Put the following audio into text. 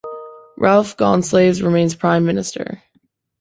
Ralph Gonsalves remains Prime Minister.